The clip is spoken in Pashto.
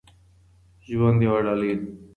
ژوند یوه ډالۍ ده.